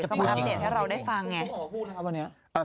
เขามาอัปเดตให้เราได้ฟังไง